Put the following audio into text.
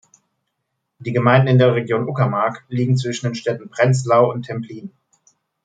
Die Gemeinde in der Region Uckermark liegt zwischen den Städten Prenzlau und Templin.